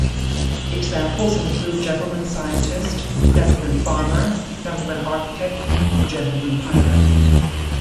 Examples include gentleman scientist, gentleman farmer, gentleman architect, and gentleman pirate.